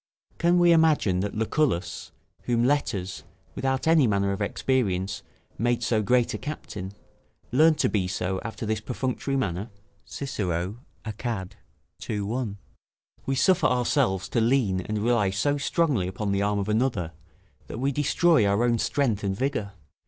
Can we imagine that Lucullus, whom letters, without any manner of experience, made so great a captain, learned to be so after this perfunctory manner? [Cicero, Acad., ii. I.] We suffer ourselves to lean and rely so strongly upon the arm of another, that we destroy our own strength and vigour.